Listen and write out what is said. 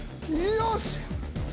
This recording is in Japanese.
よし！